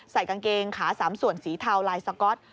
กางเกงขา๓ส่วนสีเทาลายสก๊อต